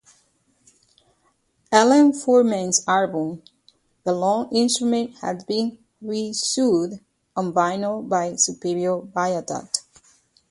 Ellen Fullman's album "The Long Instrument" has been reissued on vinyl by Superior Viaduct.